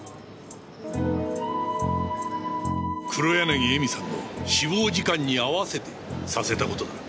黒柳恵美さんの死亡時間に合わせてさせたことだ。